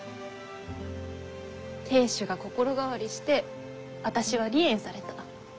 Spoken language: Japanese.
亭主が心変わりして私は離縁された。